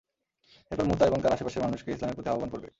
এরপর মুতা ও তার আশেপাশের মানুষকে ইসলামের প্রতি আহবান করবে।